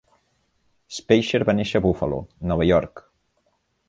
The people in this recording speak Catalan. Speicher va néixer a Buffalo, Nova York.